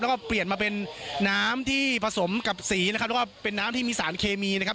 แล้วก็เปลี่ยนมาเป็นน้ำที่ผสมกับสีนะครับแล้วก็เป็นน้ำที่มีสารเคมีนะครับ